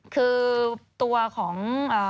คือตัวของ